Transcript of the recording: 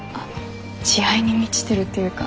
慈愛に満ちてるっていうか。